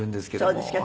そうですか。